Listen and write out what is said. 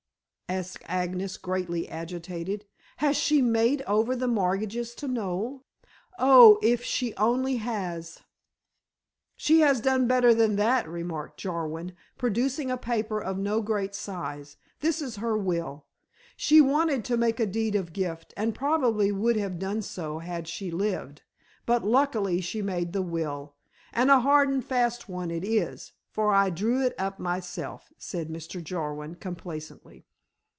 asked Agnes greatly agitated. "Has she made over the mortgages to Noel? Oh, if she only has." "She has done better than that," remarked Jarwin, producing a paper of no great size, "this is her will. She wanted to make a deed of gift, and probably would have done so had she lived. But luckily she made the will and a hard and fast one it is for I drew it up myself," said Mr. Jarwin complacently.